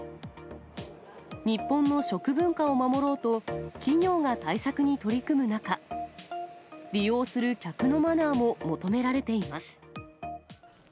日本の食文化を守ろうと、企業が対策に取り組む中、利用する客のマナーも求められています。